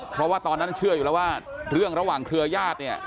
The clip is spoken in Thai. เพราะว่าตอนนั้นเชื่ออยู่แล้วว่าเรื่องระหว่างเครือญาติเนี่ย